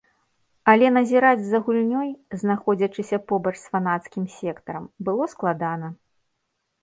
Але назіраць за гульнёй, знаходзячыся побач з фанацкім сектарам, было складана.